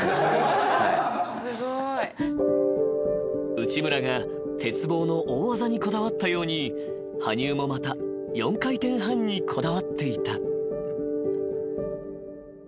［内村が鉄棒の大技にこだわったように羽生もまた４回転半にこだわっていた］